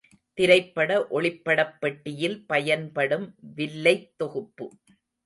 திரைப்பட ஒளிப்படப் பெட்டியில் பயன்படும் வில்லைத் தொகுப்பு.